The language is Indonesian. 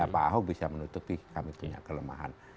pak ahok bisa menutupi kami punya kelemahan